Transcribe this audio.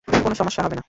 কোনো সমস্যা হবে না।